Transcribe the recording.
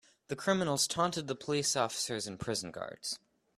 The criminals taunted the police officers and prison guards.